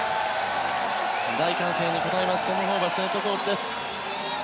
大歓声に応えますトム・ホーバスヘッドコーチです。